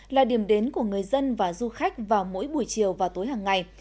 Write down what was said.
là điểm đến của người dân và du khách vào mỗi buổi chiều và tối hàng ngày